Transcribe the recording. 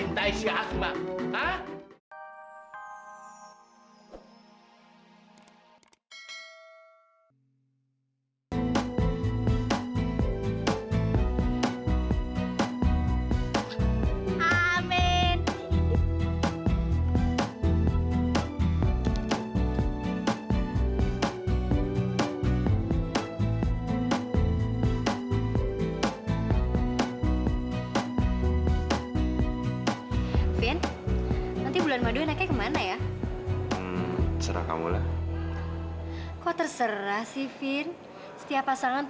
dia mencintai si asma